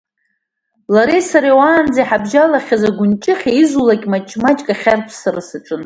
Лареи сареи уаанӡа иҳабжьалахьаз агәынҷыхьа, изулак, маҷ-маҷла ахьарԥссара саҿын.